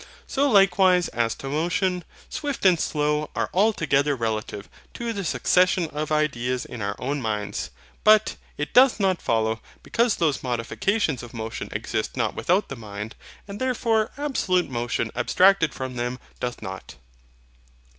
So likewise as to motion; SWIFT and SLOW are altogether relative to the succession of ideas in our own minds. But, it doth not follow, because those modifications of motion exist not without the mind, that therefore absolute motion abstracted from them doth not.